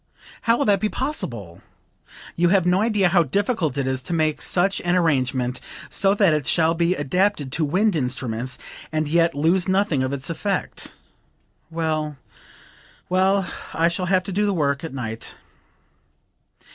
How will that be possible? You have no idea how difficult it is to make such an arrangement so that it shall be adapted to wind instruments and yet lose nothing of its effect. Well, well; I shall have to do the work at night."